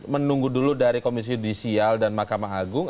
menunggu dulu dari komisi judisial dan mahkamah agung